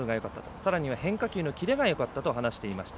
さらには変化球のキレがよかったと話していました。